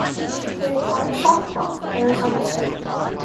She played college softball for Arizona State.